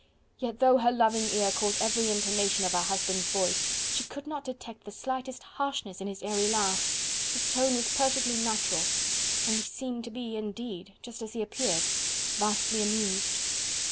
Yet, though her loving ear caught every intonation of her husband's voice, she could not detect the slightest harshness in his airy laugh; his tone was perfectly natural and he seemed to be, indeed, just as he appeared vastly amused.